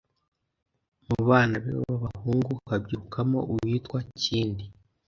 Mu bana be b’abahungu habyirukamo uwitwa Kindi,